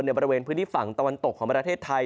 บริเวณพื้นที่ฝั่งตะวันตกของประเทศไทย